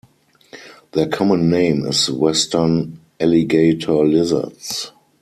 Their common name is western alligator lizards.